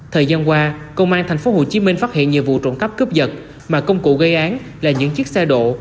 thời gian qua công an tp hcm phát hiện nhiều vụ trộm cắp cướp giật mà công cụ gây án là những chiếc xe độ